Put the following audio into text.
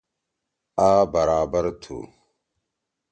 آ برابر تُھو۔